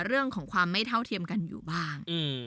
เรื่องของความไม่เท่าเทียมกันอยู่บ้าง